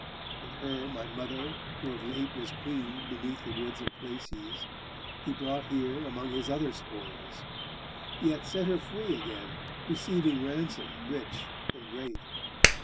And her, my mother, who of late was queen Beneath the woods of Places, he brought here Among his other spoils; yet set her free Again, receiving ransom rich and great.